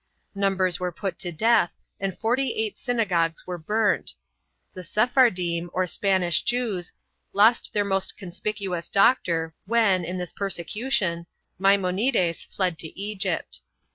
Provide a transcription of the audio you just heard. Numbers were put to death and forty eight syna gogues were burnt. The Sephardim, or Spanish Jews, lost their most conspicuous doctor when, in this persecution, Maimonides fled to Egypt.